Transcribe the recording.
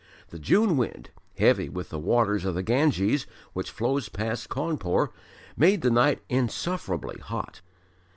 The June wind, heavy with the waters of the Ganges which flows past Cawnpore, made the night insufferably hot.